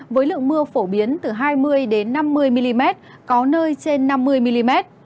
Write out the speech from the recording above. với lượng mưa phổ biến từ hai mươi năm mươi mm có nơi trên năm mươi mm